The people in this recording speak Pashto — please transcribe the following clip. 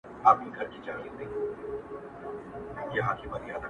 په خــــنــدا كيــسـه شـــــروع كړه